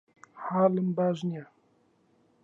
حاڵم باش نییە.